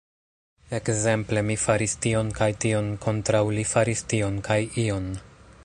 Ekzemple, "mi faris tion kaj tion" kontraŭ "li faris tion kaj ion".